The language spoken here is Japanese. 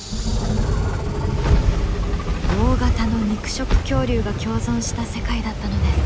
大型の肉食恐竜が共存した世界だったのです。